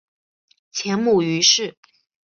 前母俞氏。